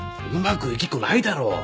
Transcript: うまくいきっこないだろ。